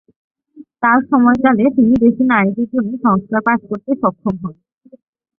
তার সময়কালে তিনি দেশের নারীদের জন্য সংস্কার পাস করতে সক্ষম হন।